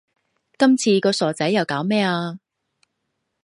今次個傻仔又搞咩呀